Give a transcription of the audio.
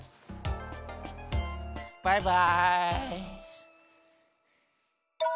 バイバイ。